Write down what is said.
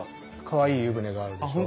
かわいい湯船があるでしょ。